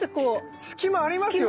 隙間ありますよね？